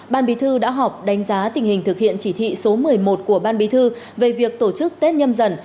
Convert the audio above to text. ban bí thư đã họp đánh giá tình hình thực hiện chỉ thị số một mươi một của ban bí thư về việc tổ chức tết nhâm dần